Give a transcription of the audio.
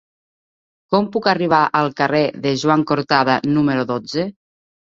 Com puc arribar al carrer de Joan Cortada número dotze?